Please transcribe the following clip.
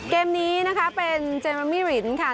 เกมนี้นะคะเป็นเจมัมมี่รินค่ะ